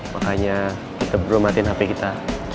makanya kita berdua matiin handphone kita